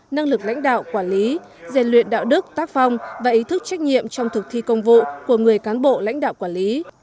năng lực lãnh đạo quản lý gian luyện đạo đức tác phong và ý thức trách nhiệm trong thực thi công vụ của người cán bộ lãnh đạo quản lý